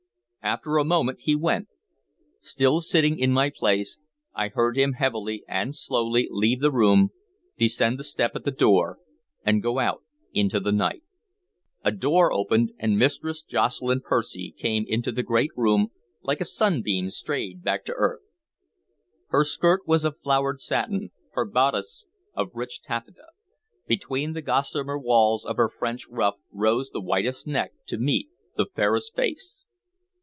After a moment he went. Sitting still in my place, I heard him heavily and slowly leave the room, descend the step at the door, and go out into the night. A door opened, and Mistress Jocelyn Percy came into the great room, like a sunbeam strayed back to earth. Her skirt was of flowered satin, her bodice of rich taffeta; between the gossamer walls of her French ruff rose the whitest neck to meet the fairest face.